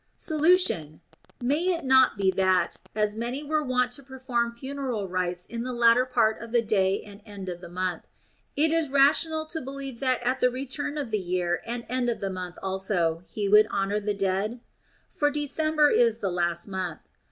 Solution. May it not be that, as many were wont to perform funeral rites in the latter part of the day and end of the month, it is rational to believe that at the return of the year and end of the month also he would honor the dead I For December is the last month.